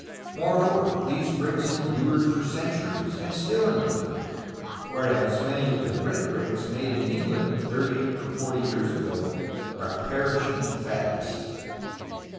More over these bricks endured for centuries, and still endure ; whereas many of the red bricks made in England thirty or forty years ago are perishing fast.